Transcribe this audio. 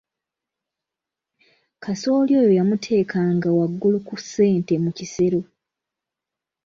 Kasooli oyo yamuteekanga waggulu ku ssente mu kisero.